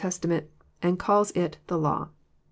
tament, and calls It " the law."